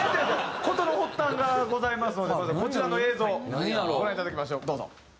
事の発端がございますのでそれではこちらの映像をご覧いただきましょうどうぞ。